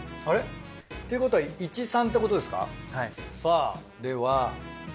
あれ？っていうことは１３ってことですか？